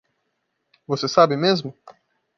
Você sabe mesmo?